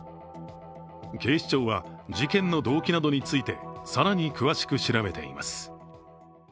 警視庁は事件の動機などについて更に詳しく調べています。